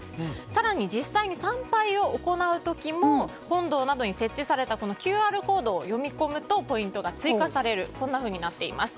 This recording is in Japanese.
更に実際に参拝を行う時も本堂などに設置されたＱＲコードを読み込むとポイントが追加されます。